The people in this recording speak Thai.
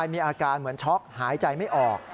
มีอาการเหมือนช็อกหายใจไม่ออก